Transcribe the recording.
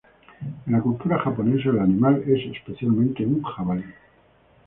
En la cultura japonesa, el animal es específicamente un jabalí.